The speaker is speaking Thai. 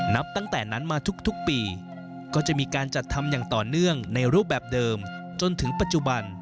นับตั้งแต่นั้นมาทุกปีก็จะมีการจัดทำอย่างต่อเนื่องในรูปแบบเดิมจนถึงปัจจุบัน